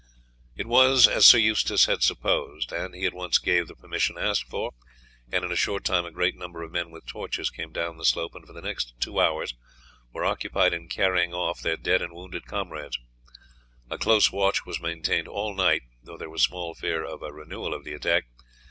It was as the knight had supposed, and he at once gave the permission asked for, and in a short time a great number of men with torches came down the slope and for the next two hours were occupied in carrying off their dead and wounded comrades. A close watch was maintained all night, though there was small fear of a renewal of the attack.